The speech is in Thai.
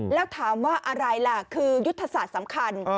แล้วถามว่าอะไรล่ะคือยุทธศาสตร์สำคัญ